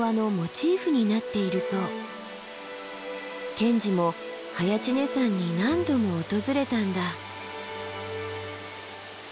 賢治も早池峰山に何度も訪れたんだ。